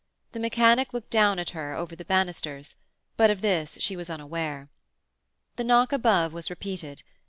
The mechanic looked down at her over the banisters, but of this she was unaware. The knock above was repeated.